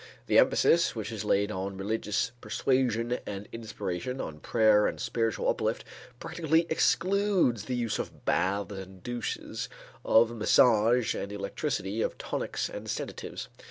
The emphasis which is laid on religious persuasion and inspiration, on prayer and spiritual uplift practically excludes the use of baths and douches, of massage and electricity, of tonics and sedatives.